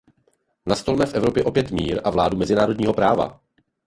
Nastolme v Evropě opět mír a vládu mezinárodního práva!